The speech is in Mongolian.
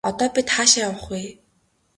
Одоо бид хаашаа явах вэ?